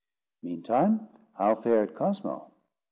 Meantime, how fared Cosmo?